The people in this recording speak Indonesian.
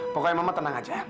pokoknya mama tenang aja